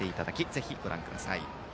ぜひ、ご覧ください。